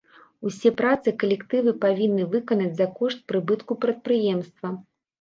Усе працы калектывы павінны выканаць за кошт прыбытку прадпрыемства.